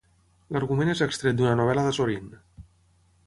L'argument és extret d'una novel·la d'Azorín.